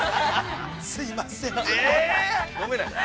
◆すいません。